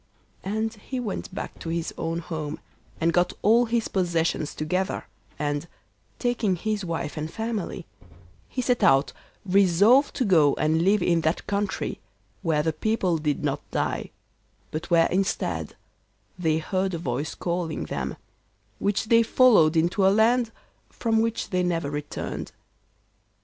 And he went back to his own home and got all his possessions together, and, taking his wife and family, he set out resolved to go and live in that country where the people did not die, but where instead they heard a voice calling them, which they followed into a land from which they never returned.